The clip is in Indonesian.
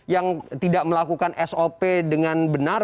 yang tidak melakukan sop dengan benar